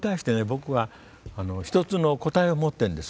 僕は一つの答えを持ってるんです。